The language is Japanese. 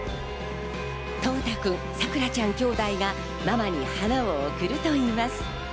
統太くん、紗来良ちゃんきょうだいがママに花を贈るといいます。